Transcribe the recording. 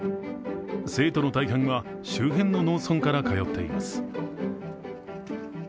生徒の大半は周辺の農村から通っています。